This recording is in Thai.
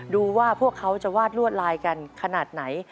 ดูว่าพวกเขาจะวาดลวดลายกันขนาดไหน